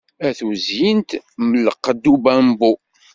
A tuzyint mm lqedd ubabmbu!